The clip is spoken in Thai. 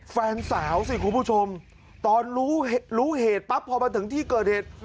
แฟนสาวสิคุณผู้ชมตอนรู้เหตุปั๊บพอมาถึงที่เกิดเหตุ